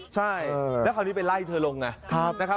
ใช่แล้วคราวนี้ไปไล่เธอลงไง